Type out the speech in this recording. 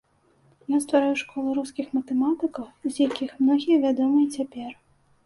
Ён стварыў школу рускіх матэматыкаў, з якіх многія вядомы і цяпер.